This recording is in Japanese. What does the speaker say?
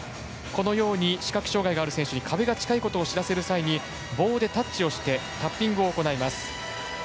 視覚障がいがある選手に壁が近いことを知らせるために棒でタッチをしてタッピングを行います。